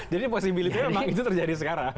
jadi posibilitasnya itu terjadi sekarang